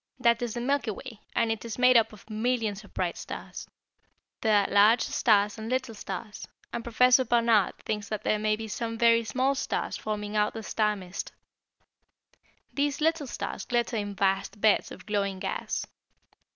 That is the Milky Way, and it is made up of millions of bright stars. There are large stars and little stars, and Professor Barnard thinks that there may be some very small stars forming out of the star mist. These little stars glitter in vast beds of glowing gas.